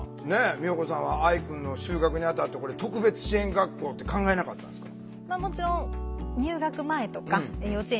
美穂子さんは愛くんの就学にあたって特別支援学校って考えなかったんですか？